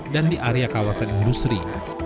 dan di area kawasan industri